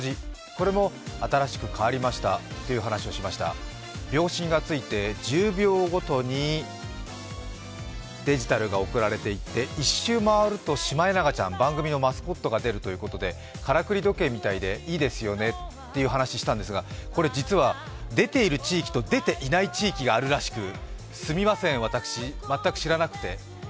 これも新しく変わりましたという話をしました秒針がついて１０秒ごとにデジタルが送られていって１周回るとシマエナガちゃん、番組のマスコットが出るということで、からくり時計みたいでいいですよねっていう話をしたんですが、これ、実は出ている地域と出ていない地域があるらしく、すみません、私、全く知らなくて。